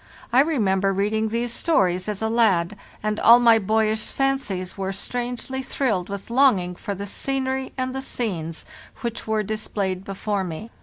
I remember reading these stories as a lad, and all my boyish fancies were strangely thrilled with longing for the scenery and the scenes which were displayed before me.